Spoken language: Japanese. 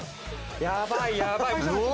やばいやばい。